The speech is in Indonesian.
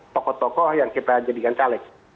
tokoh tokoh yang kita jadikan caleg